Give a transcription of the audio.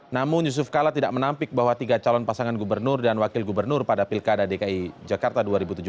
namun yusuf kala tidak menampik bahwa tiga calon pasangan gubernur dan wakil gubernur pada pilkada dki jakarta dua ribu tujuh belas